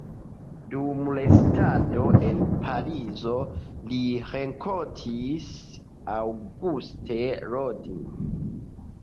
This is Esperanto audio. Dum restado en Parizo li renkontis Auguste Rodin.